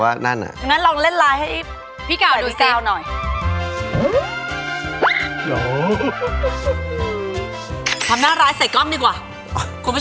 อย่านะอย่ามาโต๊ะกรอดเลย